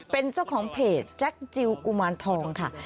เป็นเจ้าของเพจแจ็คจิลกุมารทองค่ะ